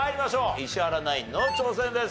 石原ナインの挑戦です。